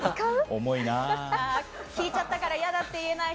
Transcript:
聞いちゃったから嫌だって言えない。